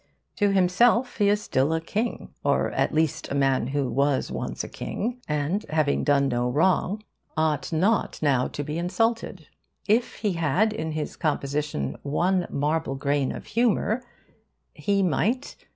To himself he is still a king or at least a man who was once a king and, having done no wrong, ought not now to be insulted. If he had in his composition one marble grain of humour, he might...